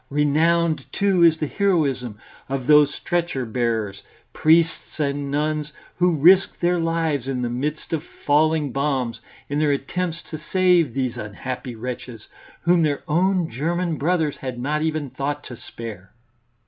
Renowned, too, is the heroism of those stretcher bearers, priests and nuns, who risked their lives in the midst of falling bombs in their attempt to save these unhappy wretches, whom their own German brothers had not even thought to spare.